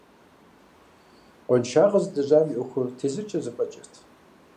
Къуаншагъэ зылэжьам и ӏуэхур тезыркӏэ зэфӏэкӏырт.